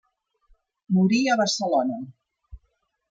Morí a Barcelona.